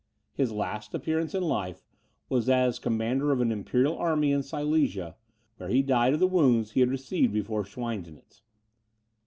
His last appearance in life was as commander of an imperial army in Silesia, where he died of the wounds he had received before Schweidnitz.